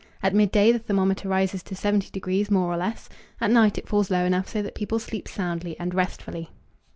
At midday the thermometer rises to 70° more or less; at night it falls low enough so that people sleep soundly and restfully.